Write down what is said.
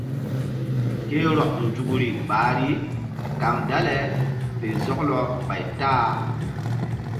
Ke rɔk nzukri ɓahri kaŋ dale fe zɔklɔ ɓay ta-a.